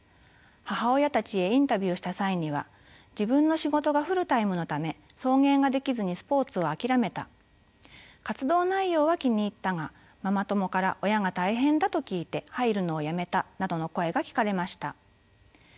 母親たちへインタビューした際には「自分の仕事がフルタイムのため送迎ができずにスポーツを諦めた」「活動内容は気に入ったがママ友から『親が大変だ』と聞いて入るのをやめた」などの声が聞かれました。